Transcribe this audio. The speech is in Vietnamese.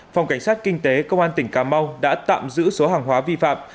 phòng cảnh sát kinh tế công an tỉnh cà mau đã tạm giữ số hàng hóa vi phạm